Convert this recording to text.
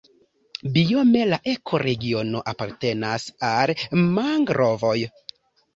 Biome la ekoregiono apartenas al mangrovoj.